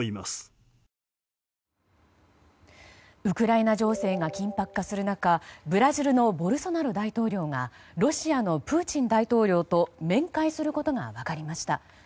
ウクライナ情勢が緊迫化する中ブラジルのボルソナロ大統領がロシアのプーチン大統領と面会することが分かりました。